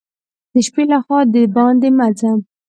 د شپې له خوا دباندي مه ځه !